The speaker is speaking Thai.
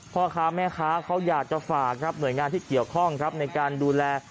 พ่อค้าแม่ค้าเขาอยากจะฝากครับหน่วยงานที่เกี่ยวข้องครับในการดูแล